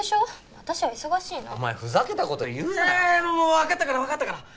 もうわかったからわかったから。